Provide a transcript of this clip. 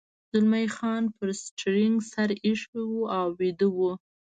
زلمی خان پر سټرینګ سر اېښی و او ویده و.